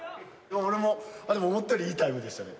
俺も思ったよりいいタイムでしたね